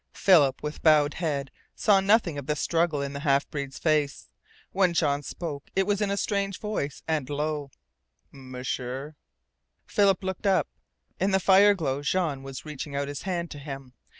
Philip, with bowed head, saw nothing of the struggle in the half breed's face. When Jean spoke it was in a strange voice and low. "M'sieur!" Philip looked up. In the fire glow Jean was reaching out his hand to him.